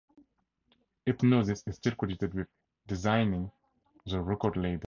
Hipgnosis is still credited with designing the record labels.